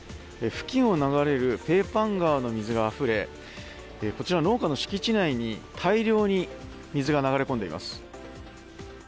付近を流れるペーパン川の水があふれ、こちら農家の敷地内に大量に水が流れ込んでいます。